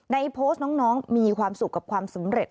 ในโพสต์น้องมีความสุขกับความสำเร็จ